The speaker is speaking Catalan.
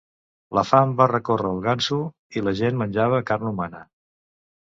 La fam va recórrer el Gansu i la gent menjava carn humana.